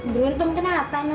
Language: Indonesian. beruntung kenapa nan